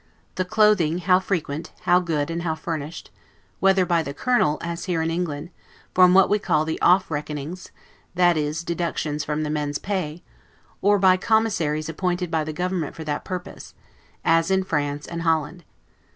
the clothing how frequent, how good, and how furnished; whether by the colonel, as here in England, from what we call the OFF RECKONINGS, that is, deductions from the men's pay, or by commissaries appointed by the government for that purpose, as in France and Holland.